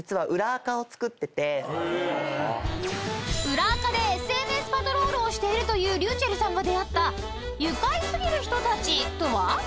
［裏アカでＳＮＳパトロールをしているというｒｙｕｃｈｅｌｌさんが出会った愉快過ぎる人たちとは？］